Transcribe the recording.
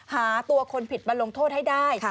หาตัวคนผิดมาลงโทษให้ได้